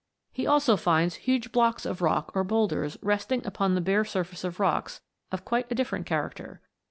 He also finds huge blocks of rock or boulders resting upon the bare surface of rocks of quite a different character.